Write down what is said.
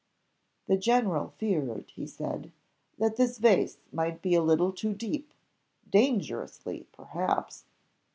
The general feared, he said, "that this vase might be a little too deep dangerously perhaps